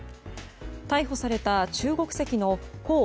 逮捕された中国籍のコウ・